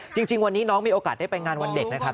จริงวันนี้น้องมีโอกาสได้ไปงานวันเด็กนะครับ